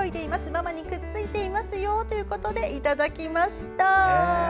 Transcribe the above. ママにくっついていますよといただきました。